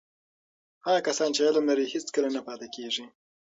هغه کسان چې علم لري، هیڅکله نه پاتې کېږي.